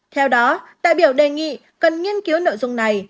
theo đó đại biểu đề nghị cần nghiên cứu nội dung này